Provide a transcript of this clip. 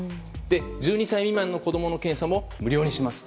１２歳未満の検査も無料にしますと。